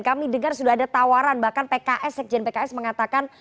kami dengar sudah ada tawaran bahkan pks sekjen pks mengatakan